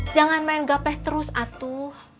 jangan main gaples terus atuh